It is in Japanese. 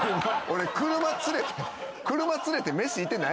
俺車連れて。